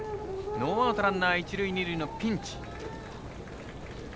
ノーアウト、ランナー一塁、二塁のピンチ。